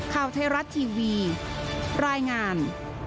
ข้าวเทศรัทธิวีรายงาน